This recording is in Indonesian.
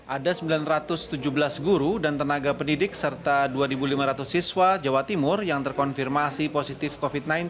ada sembilan ratus tujuh belas guru dan tenaga pendidik serta dua lima ratus siswa jawa timur yang terkonfirmasi positif covid sembilan belas